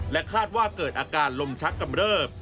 คาดว่าเกิดอาการลมชักกำเริบ